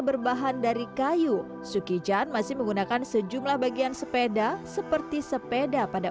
berbahan dari kayu suki jan masih menggunakan sejumlah bagian sepeda seperti sepeda pada